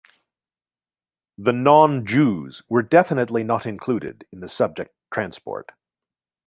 The non-Jews were definitely not included in the subject transport.